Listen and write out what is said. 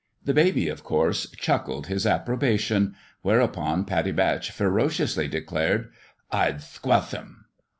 The baby, of course, chuckled his approbation : whereupon Pattie Batch ferociously declared "/Wthquelchhim!"